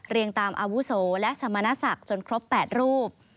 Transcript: ตามอาวุโสและสมณศักดิ์จนครบ๘รูป